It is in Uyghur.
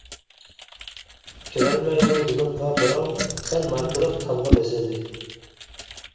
كىرەلمەيدۇ دىلىمغا بىراۋ، ‹سەن› ماركىلىق تامغا بېسىلدى.